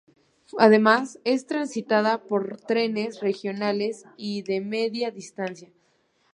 Además, es transitada por trenes regionales y de media distancia.